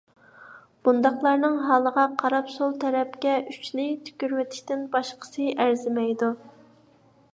بۇنداقلارنىڭ ھالىغا قاراپ سول تەرەپكە ئۈچنى تۈكۈرۈۋېتىشتىن باشقىسى ئەرزىمەيدۇ.